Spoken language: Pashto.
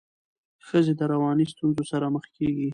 ښځي د رواني ستونزو سره مخ کيږي.